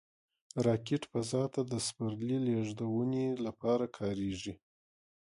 راکټ فضا ته د سپرلي لیږدونې لپاره کارېږي